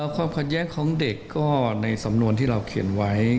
ความขัดแย้งของเด็กก็ในสำนวนที่เราเขียนไว้